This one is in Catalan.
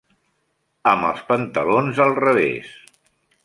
Amb els pantalons al revés!